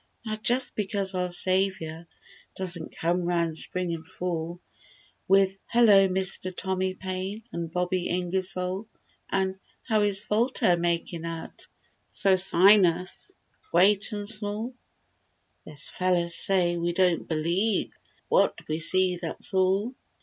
Now just because our Saviour Doesn't come 'round spring an' fall With—"Hello, Mister Tommy Paine And Bobby Ingersoll!" An' "How is Voltaire makin' out— Socinus, "Great" an' "Small!" There's fellers say—"We don't believe But what we see—that's all!"